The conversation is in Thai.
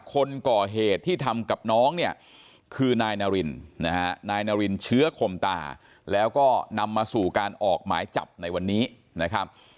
คนก่อเหตุที่ทำกับน้องเนี่ยคือนายนารินนะฮะนายนารินเชื้อคมตาแล้วก็นำมาสู่การออกหมายจับในวันนี้นะครับ